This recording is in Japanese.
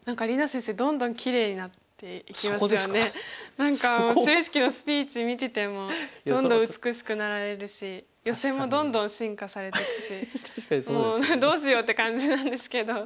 何かもう就位式のスピーチ見ててもどんどん美しくなられるしヨセもどんどん進化されていくしもうどうしようって感じなんですけど。